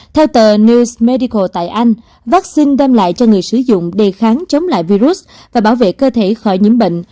theo tờ news medical tại anh vaccine đem lại cho người sử dụng đề kháng chống lại virus và bảo vệ cơ thể khỏi nhiễm bệnh